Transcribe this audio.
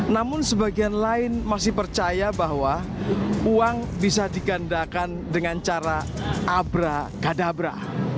namun sebagian lain masih percaya bahwa uang bisa digandakan dengan cara abra gadabra